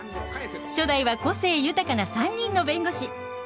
初代は個性豊かな３人の弁護士。